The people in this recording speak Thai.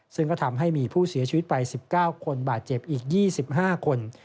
ซึ่งก็ทำให้มีผู้เสียชีวิตไป๑๙คนบาดเจ็บอีก๒๕คน